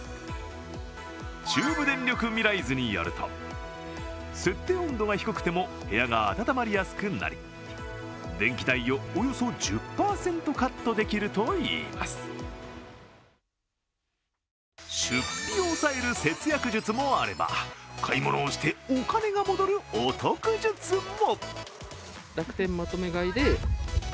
中部電力ミライズによると、設定温度が低くても部屋が暖まりやすくなり電気代をおよそ１０％カットできるといいます出費を抑える節約術もあれば、買い物をしてお金が戻るお得術も。